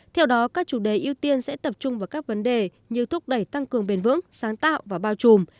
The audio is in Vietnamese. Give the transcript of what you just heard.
theo đó các chủ đề ưu tiên sẽ tập trung vào các vấn đề như thúc đẩy tăng cường bền vững sáng tạo và bao trùm